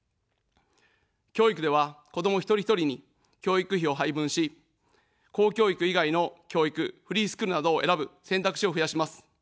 教育では子ども一人一人に教育費を配分し、公教育以外の教育、フリースクールなどを選ぶ選択肢を増やします。